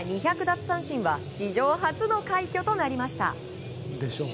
奪三振は史上初の快挙となりました。